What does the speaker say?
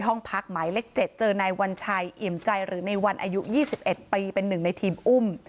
ห้องพักหมายเล็กเจ็ดเจอในวันชายอิ่มใจหรือในวันอายุยี่สิบเอ็ดปีเป็นหนึ่งในทีมอุ้ม